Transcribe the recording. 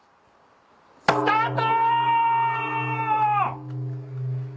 スタート！